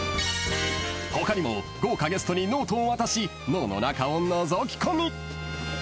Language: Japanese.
［他にも豪華ゲストにノートを渡し脳の中をのぞきこみ］